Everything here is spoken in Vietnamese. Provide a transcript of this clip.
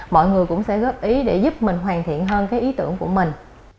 mọi người cũng sẽ góp ý để giúp mình hoàn thiện hơn cái ý tưởng của mình